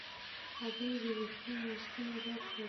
هګۍ د ویښتو ماسکونو برخه ده.